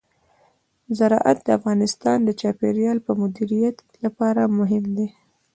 زراعت د افغانستان د چاپیریال د مدیریت لپاره مهم دي.